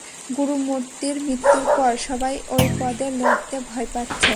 গুরুমূর্তির মৃত্যুর পর, সবাই ওই পদে লড়তে ভয় পাচ্ছে।